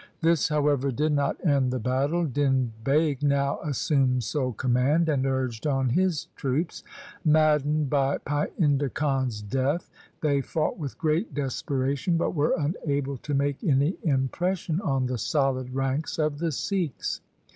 This, however, did not end the battle. Din Beg now assumed sole command, and urged on his troops. Maddened by Painda Khan's death they fought with great desperation, but were unable to make any impression on the solid ranks of the Sikhs.